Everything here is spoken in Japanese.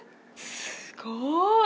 すごい！